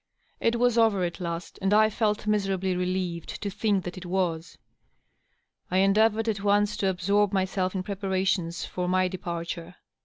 • It was over at last, and I felt miserably relieved to think that it was. I endeavored at once to absorb myself in preparations for my departure.